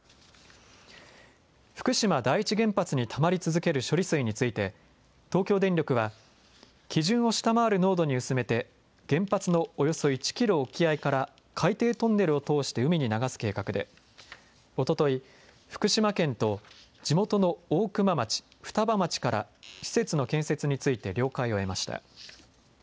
福島第一原発にたまり続ける処理水について東京電力は基準を下回る濃度に薄めて原発のおよそ１キロ沖合から海底トンネルを通して海に流す計画でおととい、福島県と地元の大熊町と双葉町から施設の建設について了解を得ました。